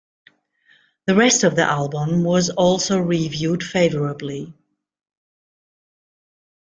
The rest of the album was also reviewed favourably.